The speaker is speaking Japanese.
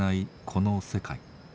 この世界。